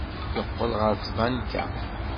Yeqqel ɣer tbanka.